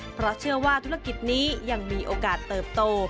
เพราะเชื่อว่าธุรกิจนี้ยังมีโอกาสเติบโต